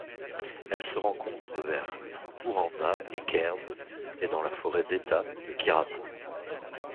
Elle se rencontre vers Kuranda et Cairns et dans la forêt d'État de Kirrama.